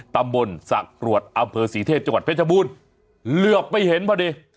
ตำบลสะกรวดอำเภอศรีเทพจังหวัดเพชรบูรณ์เหลือบไปเห็นพอดี